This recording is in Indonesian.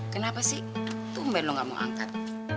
kenapa sih tumben nggak mau angkat